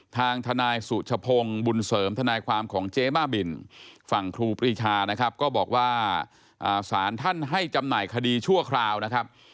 ทางทนายสุชพงศ์บุญเสริมทนายความของเจ๊บ้าบินฝั่งครูปรีชานะครับก็บอกว่าสารท่านให้จำหน่ายคดีชั่วคราวนะครับ